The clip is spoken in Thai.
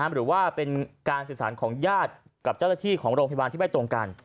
หรือว่าเป็นการสื่อสารของญาติกับเจ้าหน้าที่ของโรงพยาบาลที่ไม่ตรงกัน